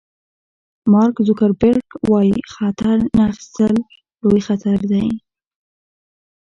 مارک زوګربرګ وایي خطر نه اخیستل لوی خطر دی.